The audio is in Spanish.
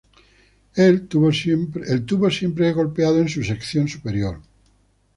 El tubo siempre es golpeado en su sección superior.